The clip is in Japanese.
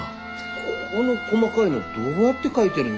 この細かいのどうやって描いてるんだ？